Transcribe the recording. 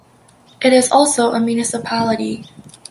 It is also a municipality.